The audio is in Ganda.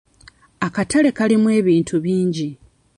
Akatale kalimu ebintu bingi.